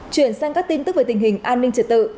chuyển sang các tin tức về tình hình an ninh trật tự